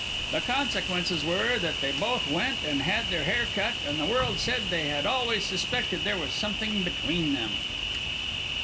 The consequences were that they both went and had their hair cut, and the world said they had always suspected there was something between them!"